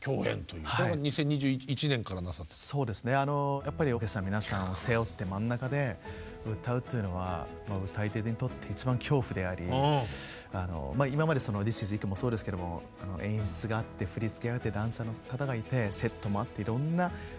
やっぱりオーケストラの皆さんを背負って真ん中で歌うというのは歌い手にとって一番恐怖であり今まで「ＴＨＩＳＩＳＩＫＵ」もそうですけども演出があって振り付けがあってダンサーの方がいてセットもあっていろんなショーとして見せる。